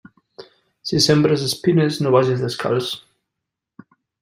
Si sembres espines, no vages descalç.